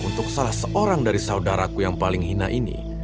untuk salah seorang dari saudaraku yang paling hina ini